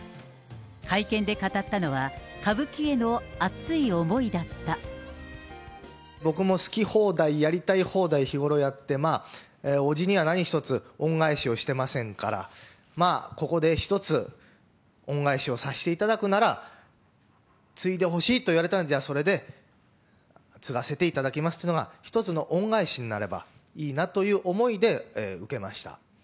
会見で語ったのは、僕も好き放題、やりたい放題日ごろやって、まあ、伯父には何一つ恩返しをしてませんから、まあ、ここで一つ、恩返しをさせていただくなら、継いでほしいと言われたので、じゃあ、それで継がせていただきますというのが、一つの恩返しになればいいなという思いで受けました。